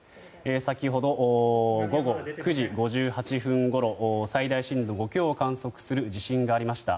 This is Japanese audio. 先ほど、午後９時５８分ごろ最大震度５強を観測する地震がありました。